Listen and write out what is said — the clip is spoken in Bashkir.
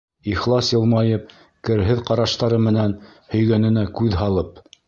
Ихлас йылмайып, керһеҙ ҡараштары менән һөйгәненә күҙ һалып.